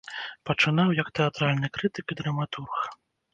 Пачынаў як тэатральны крытык і драматург.